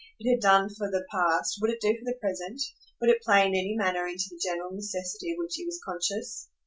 It had done for the past, would it do for the present? would it play in any manner into the general necessity of which he was conscious?